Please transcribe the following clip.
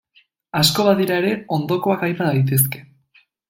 Asko badira ere, ondokoak aipa daitezke.